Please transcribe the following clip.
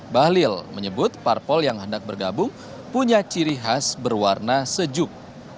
bahlil menyebut parpol yang hendak bergabung punya ciri khas berwarna sejuk